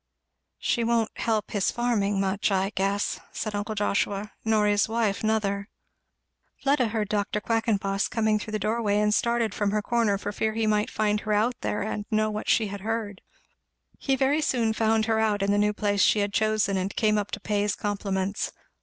"She won't help his farming much, I guess," said uncle Joshua, "nor his wife, nother." Fleda heard Dr. Quackenboss coming through the doorway and started from her corner for fear he might find her out there and know what she had heard. He very soon found her out in the new place she had chosen and came up to pay his compliments.